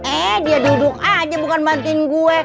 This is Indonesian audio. eh dia duduk aja bukan bantuin gue